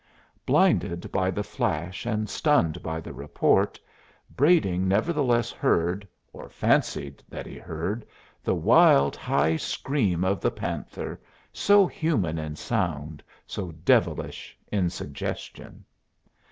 Blinded by the flash and stunned by the report, Brading nevertheless heard, or fancied that he heard, the wild, high scream of the panther, so human in sound, so devilish in suggestion.